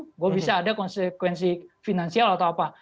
tidak bisa ada konsekuensi finansial atau apa